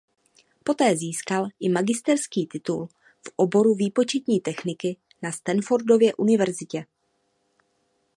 Poté získal i magisterský titul v oboru výpočetní techniky na Stanfordově univerzitě.